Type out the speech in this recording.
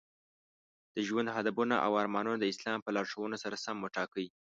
د ژوند هدفونه او ارمانونه د اسلام په لارښوونو سره سم وټاکئ.